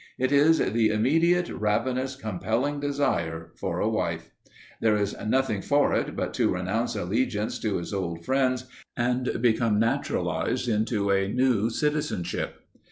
It is the immediate, ravenous, compelling desire for a wife. There is nothing for it but to renounce allegiance to his old friends and become naturalized into a new citizenship.